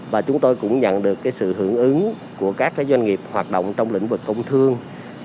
và chúng tôi cũng nhận được sự hưởng ứng của các doanh nghiệp hoạt động trong lĩnh vực công thương